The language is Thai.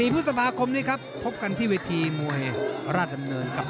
พฤษภาคมนี้ครับพบกันที่เวทีมวยราชดำเนินครับ